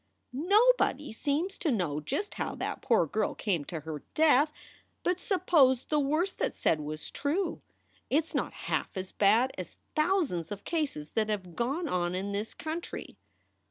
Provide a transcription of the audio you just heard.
"Nobody seems to know just how that poor girl came to her death. But suppose the worst that s said was true. It s not half as bad as thousands of cases that have gone on in this country.